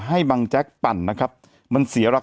แต่หนูจะเอากับน้องเขามาแต่ว่า